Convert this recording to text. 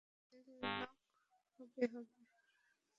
তারা দুজন অবশ্যই তাদের লোক হবে হবে।